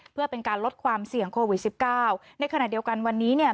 เพื่อเป็นการลดความเสี่ยงโควิดสิบเก้าในขณะเดียวกันวันนี้เนี่ย